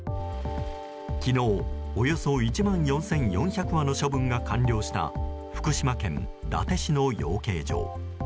昨日、およそ１万４４００羽の処分が完了した福島県伊達市の養鶏場。